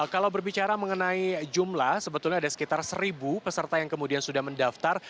kalau berbicara mengenai jumlah sebetulnya ada sekitar seribu peserta yang kemudian sudah mendaftar